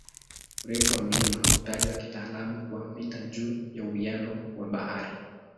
Urefu wa mlima hutajwa kitaalamu kwa "mita juu ya uwiano wa bahari".